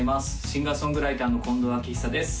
シンガー・ソングライターの近藤晃央です